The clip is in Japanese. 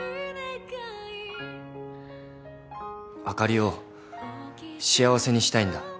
あかりを幸せにしたいんだ。